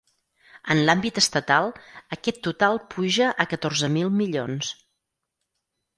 En l’àmbit estatal, aquest total puja a catorze mil milions.